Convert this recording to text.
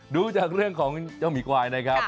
ดูจากเรื่องของเจ้าหมีควายนะครับ